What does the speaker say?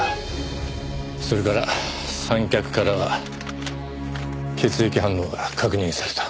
それから三脚からは血液反応が確認された。